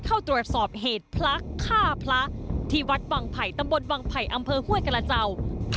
เข้าตรวจสอบเหตุพระฆ่าพระที่วัดวังไผ่ตำบลวังไผ่อำเภอห้วยกระเจ้า